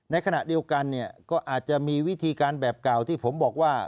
ในขณะเดียวกันเนี่ยก็อาจจะมีวิธีการแบบเก่าที่ผมบอกว่า